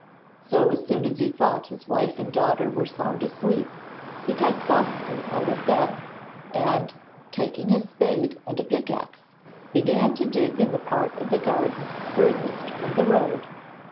So as soon as he thought his wife and daughter were sound asleep, he got softly out of bed and, taking his spade and a pickaxe, began to dig in the part of the garden furthest from the road.